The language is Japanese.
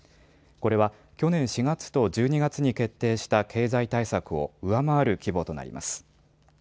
これは去年４月と１２月に決定した経済対策を上回る規模となります。